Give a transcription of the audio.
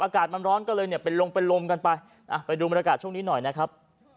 อากาศมันร้อนก็เลยเนี่ยเป็นลมเป็นลมกันไปไปดูบรรยากาศช่วงนี้หน่อยนะครับ